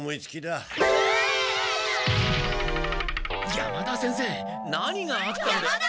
山田先生何があったんで。